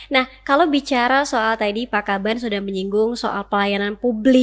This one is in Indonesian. nah kalau bicara soal tadi pak kaban sudah menyinggung soal pelayanan publik